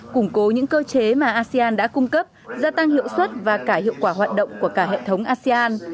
củng cố những cơ chế mà asean đã cung cấp gia tăng hiệu suất và cả hiệu quả hoạt động của cả hệ thống asean